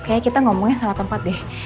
kayaknya kita ngomongnya salah tempat deh